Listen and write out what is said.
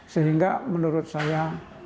sehingga menurut saya